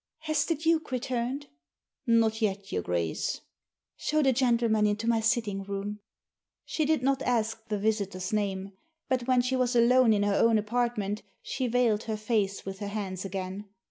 "Has the Duke returned?" " Not yet, your Grace." " Show the gentleman into my sitting room." She did not ask the visitor's name. But when she was alone in her own apartment she veiled her face with her hands again.